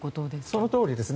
そのとおりです。